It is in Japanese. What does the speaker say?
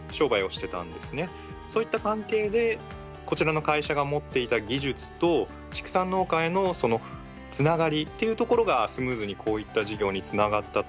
そういった関係でこちらの会社が持っていた技術と畜産農家へのそのつながりというところがスムーズにこういった事業につながったと聞いています。